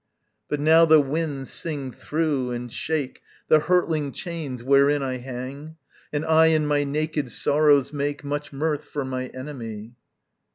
But now the winds sing through and shake The hurtling chains wherein I hang, And I, in my naked sorrows, make Much mirth for my enemy.